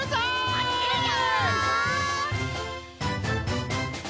まってるよ！